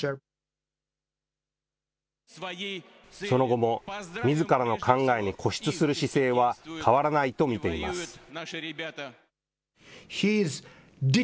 その後もみずからの考えに固執する姿勢は変わらないと見ています。